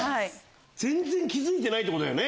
全然気付いてないってことだよね！